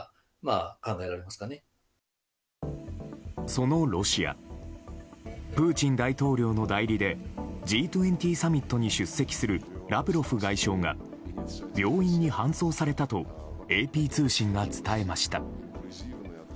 そのロシアプーチン大統領の代理でＧ２０サミットに出席するラブロフ外相が病院に搬送されたとＡＰ通信が伝えました。